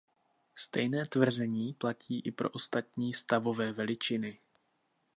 Stejné tvrzení platí i pro ostatní stavové veličiny.